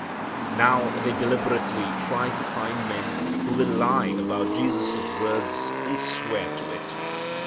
Now they deliberately try to find men who will lie about Jesus' words, and swear to it.